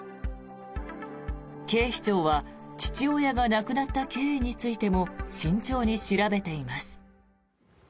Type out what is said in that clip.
警視庁は父親が亡くなった経緯についても慎重に調べています。